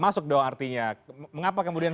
masuk dong artinya mengapa kemudian